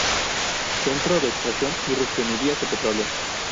Centro de extracción y refinerías de petróleo.